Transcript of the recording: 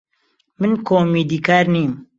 من کۆمیدیکار نیم.